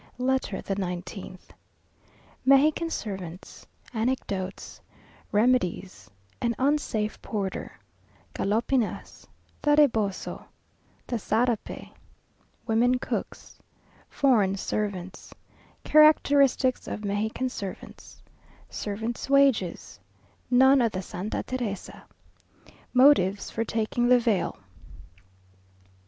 LETTER THE NINETEENTH Mexican Servants Anecdotes Remedies An unsafe Porter Galopinas The Reboso The Sarape Women Cooks Foreign Servants Characteristics of Mexican Servants Servants' Wages Nun of the Santa Teresa Motives for taking the Veil.